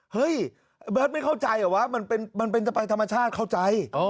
เฮ้ยเบิร์ตไม่เข้าใจเหรอวะมันเป็นจะไปธรรมชาติเข้าใจ